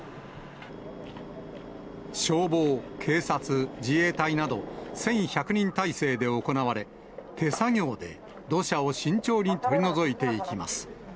消防、警察、自衛隊など、１１００人態勢で行われ、手作業で土砂を慎重に取り除いていきます。